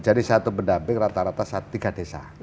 jadi satu pendamping rata rata tiga desa